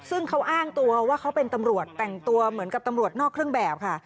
ซึ่งเขาอ้างตัวว่าเขาเป็นตำรวจแต่งตัวเหมือนกับตำรวจนอกเครื่องแบบค่ะ